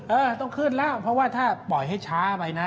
เออต้องขึ้นแล้วเพราะว่าถ้าปล่อยให้ช้าไปนะ